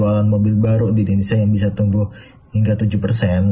penjualan mobil baru di indonesia yang bisa tumbuh hingga tujuh persen